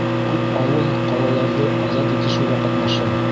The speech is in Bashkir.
Күп ауыл, ҡалаларҙы азат итешеүҙә ҡатнаша.